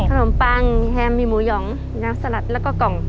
ขนมปังมีแฮมมีหมูหยองยางสลัดแล้วก็กล่อง